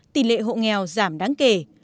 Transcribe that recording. tỷ lệ hộ nghèo giảm đáng kể